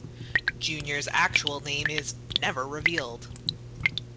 Junior's actual name is never revealed.